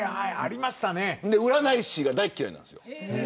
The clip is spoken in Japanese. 占い師が大っ嫌いなんです。